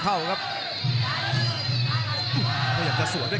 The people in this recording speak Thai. กำปั้นขวาสายวัดระยะไปเรื่อย